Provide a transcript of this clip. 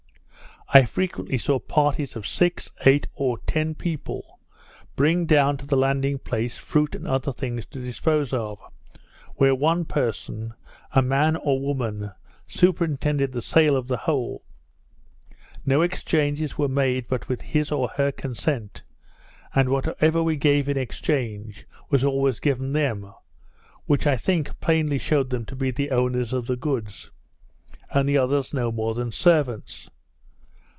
I frequently saw parties of six, eight, or ten people, bring down to the landing place fruit and other things to dispose of, where one person, a man or woman, superintended the sale of the whole; no exchanges were made but with his or her consent; and whatever we gave in exchange was always given them, which I think plainly shewed them to be the owners of the goods, and the others no more than servants.